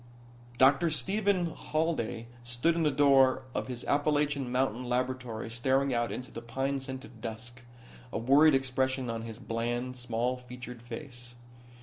Dr. Stephen Halday stood in the door of his Appalachian mountain laboratory staring out into the pine scented dusk, a worried expression on his bland, small featured face.